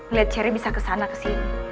lihat ceria bisa kesana kesini